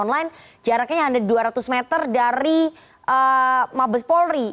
yang lain lain jaraknya ada dua ratus meter dari mabes polri